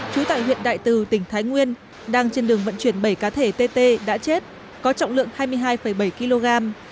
trú tại huyện đại từ tỉnh thái nguyên đang trên đường vận chuyển bảy cá thể tt đã chết có trọng lượng hai mươi hai bảy kg